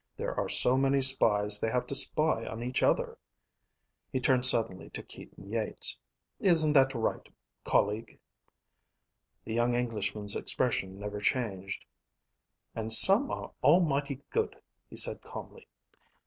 There are so many spies they have to spy on each other." He turned suddenly to Keaton Yeats. "Isn't that right, colleague?" The young Englishman's expression never changed. "And some are almighty good," he said calmly.